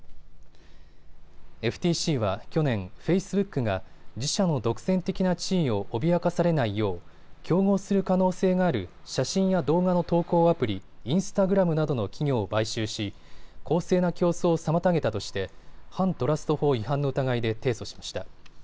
ＦＴＣは去年、フェイスブックが自社の独占的な地位を脅かされないよう競合する可能性がある写真や動画の投稿アプリ、インスタグラムなどの企業を買収し、公正な競争を妨げたとして反トラスト法違反の疑いで提訴しました。